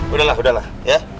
udahlah udahlah ya